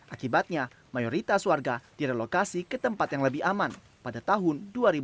akibatnya mayoritas warga direlokasi ke tempat yang lebih aman pada tahun dua ribu dua puluh